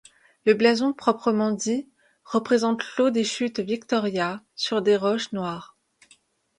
Le blason proprement dit représente l'eau des Chutes Victoria sur des roches noires.